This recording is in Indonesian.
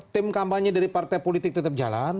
tim kampanye dari partai politik tetap jalan